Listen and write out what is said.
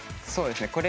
そうですね。